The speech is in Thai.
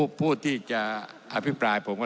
ท่านประธานก็เป็นสอสอมาหลายสมัย